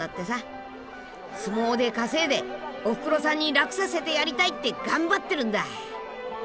相撲で稼いでおふくろさんに楽させてやりたいって頑張ってるんだ。